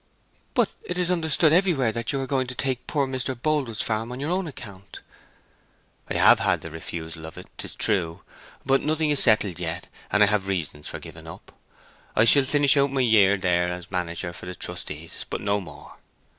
"But it is understood everywhere that you are going to take poor Mr. Boldwood's farm on your own account." "I've had the refusal o' it 'tis true; but nothing is settled yet, and I have reasons for giving up. I shall finish out my year there as manager for the trustees, but no more."